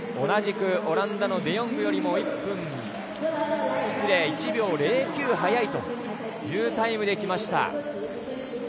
同じくオランダのデ・ヨングよりも１秒０９早いというタイムできました。